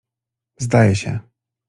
zdaje się.